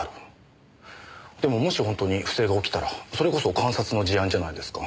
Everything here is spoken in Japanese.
でももし本当に不正が起きたらそれこそ監察の事案じゃないですか。